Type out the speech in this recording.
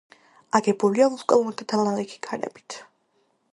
აგებულია ვულკანური და დანალექი ქანებით.